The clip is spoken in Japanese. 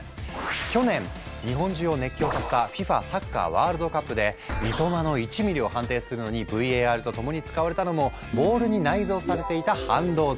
去年日本中を熱狂させたＦＩＦＡサッカーワールドカップで「三笘の１ｍｍ」を判定するのにＶＡＲと共に使われたのもボールに内蔵されていた半導体。